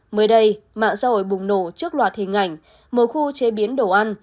mới đây mạng xã hội bùng nổ trước loạt hình ảnh một khu chế biến đồ ăn